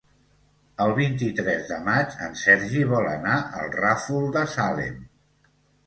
El vint-i-tres de maig en Sergi vol anar al Ràfol de Salem.